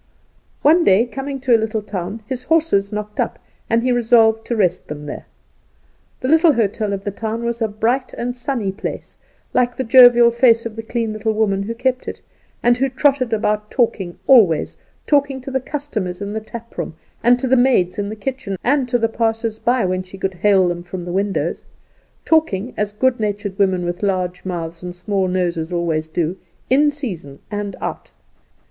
One day coming to a little town, his horses knocked up, and he resolved to rest them there. The little hotel of the town was a bright and sunny place, like the jovial face of the clean little woman who kept it, and who trotted about talking always talking to the customers in the taproom, and to the maids in the kitchen, and to the passers by when she could hail them from the windows; talking, as good natured women with large mouths and small noses always do, in season and out.